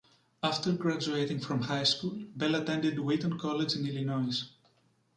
After graduating from high school, Bell attended Wheaton College in Illinois.